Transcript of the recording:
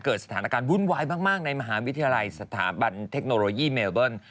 เกิดสถานการณ์วุ่นวายมากในมหาวิทยาลัยสถาบันเทคโนโลยีเมลเบิ้ล